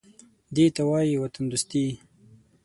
_دې ته وايي وطندوستي.